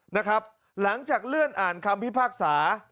หลังจากเลื่อนอ่านคำพิพากษา